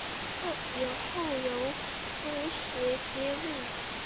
后由翁楷接任。